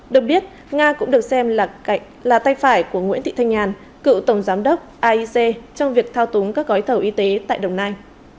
được biết nga cũng được xem là tay phải của nguyễn thị thanh nhàn cựu tổng giám đốc aic trong việc thao túng các gói thầu y tế tại đồng nai